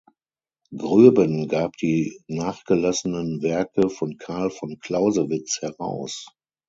Groeben gab die nachgelassenen Werke von Carl von Clausewitz heraus.